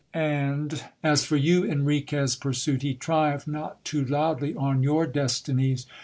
And as for you, Enriquez, pursued he, triumph not too loudly on your destinies.